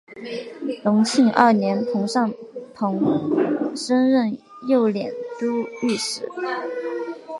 隆庆二年庞尚鹏升任右佥都御史。